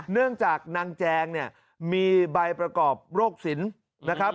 เนื่องจากนางแจงมีใบประกอบโรคศิลป์